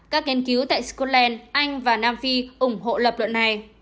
các nghiên cứu tại scotland anh và nam phi ủng hộ lập luận này